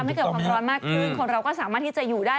ให้เกิดความร้อนมากขึ้นคนเราก็สามารถที่จะอยู่ได้